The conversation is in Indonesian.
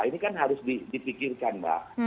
ini kan harus dipikirkan mbak